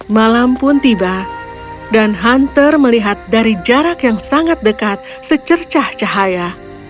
malam pun tiba dan hunter melihat dari jarak yang sangat dekat secercah cahaya